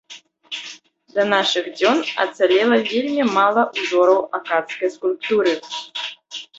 Да нашых дзён ацалела вельмі мала ўзораў акадскай скульптуры.